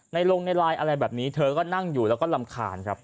ลงในไลน์อะไรแบบนี้เธอก็นั่งอยู่แล้วก็รำคาญครับ